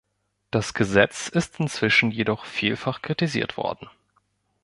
Das Gesetz ist inzwischen jedoch vielfach kritisiert worden.